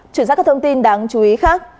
chuyển sang các thông tin đáng chú ý khác